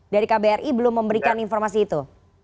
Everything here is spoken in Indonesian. dari kbri belum memberikan informasi itu